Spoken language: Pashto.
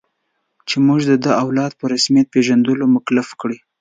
چې موږ د ده او اولاد په رسمیت پېژندلو مکلف کړي.